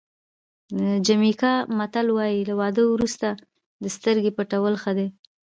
د جمیکا متل وایي له واده وروسته د سترګې پټول ښه دي.